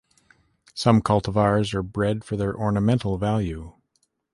Some cultivars are bred for their ornamental value.